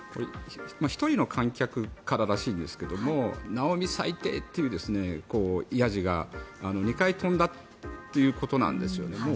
１人の観客かららしいんですがなおみ、最低というやじが２回飛んだということなんですよね。